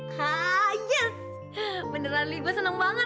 hah yes beneran lia gue senang banget